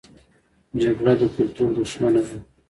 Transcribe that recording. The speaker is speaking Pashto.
جګړه د کلتور دښمنه ده